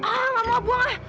ah gak mau aku buang ah